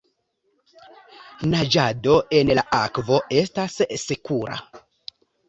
Naĝado en la akvo estas sekura.